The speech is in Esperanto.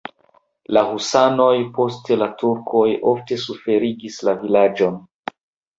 La husanoj, poste la turkoj ofte suferigis la vilaĝon.